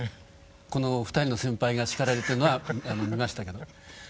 この２人の先輩が叱られてるのは見ましたけど。